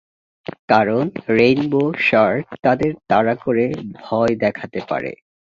কারণ rainbow shark তাদের তাড়া করে ভয় দেখাতে পারে।